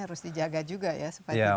harus dijaga juga ya supaya kita terlalu